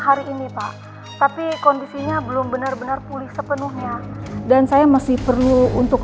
hari ini pak tapi kondisinya belum benar benar pulih sepenuhnya dan saya masih perlu untuk